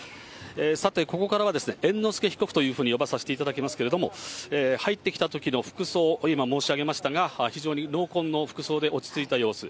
さて、ここからは猿之助被告というふうによばさせていただきますけれども、入ってきたときの服装、今、申し上げましたが、非常に濃紺の服装で落ち着いた様子。